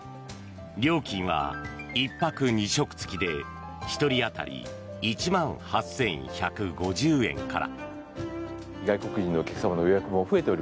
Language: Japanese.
料金は１泊２食付きで１人当たり１万８１５０円から。